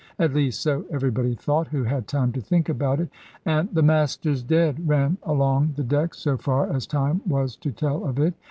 At least so everybody thought, who had time to think about it; and "the Master's dead" ran along the deck, so far as time was to tell of it.